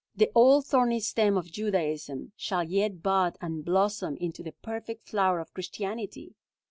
"The old thorny stem of Judaism shall yet bud and blossom into the perfect flower of Christianity!"